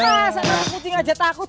nggak rasa nama kucing aja takut